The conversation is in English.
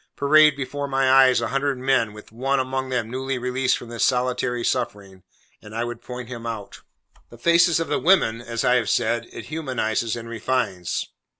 Parade before my eyes, a hundred men, with one among them newly released from this solitary suffering, and I would point him out. The faces of the women, as I have said, it humanises and refines.